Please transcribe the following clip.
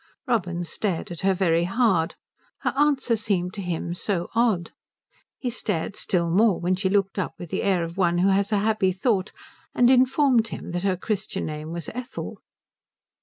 Robin stared at her very hard, her answer seemed to him so odd. He stared still more when she looked up with the air of one who has a happy thought and informed him that her Christian name was Ethel.